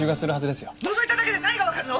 覗いただけで何がわかるの！